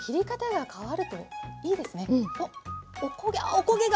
お焦げが！